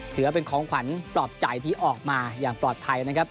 ถือว่าเป็นของขวัญปลอบใจที่ออกมาอย่างปลอดภัยนะครับ